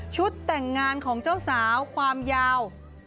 แต่งงานของเจ้าสาวความยาว